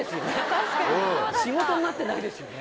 仕事になってないですよね。